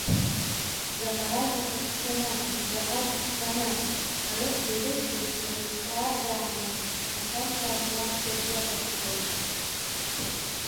Заҟа ражәақәа цқьаны, заҟа иԥшӡаны рыци-рышәи ирыҵраӡааны аҳәашьа иақәшәаз иахәаԥшуеит.